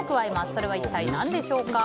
それは一体何でしょう？